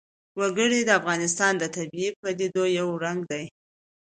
وګړي د افغانستان د طبیعي پدیدو یو رنګ دی.